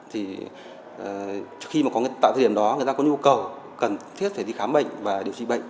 thì khi mà có tạo thời điểm đó người ta có nhu cầu cần thiết phải đi khám bệnh và điều trị bệnh